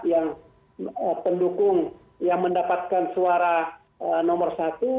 yang pendukung yang mendapatkan suara nomor satu